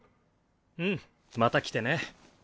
うんまた来てね。